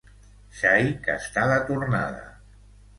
Xai que està de tornada.